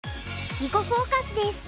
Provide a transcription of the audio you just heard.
「囲碁フォーカス」です。